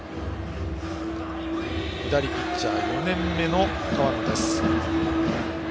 左ピッチャー、４年目の河野です。